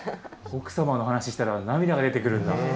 奥さまの話したら涙が出てくるんだ。